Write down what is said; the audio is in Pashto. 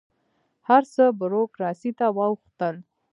هر څه بروکراسي ته واوښتل.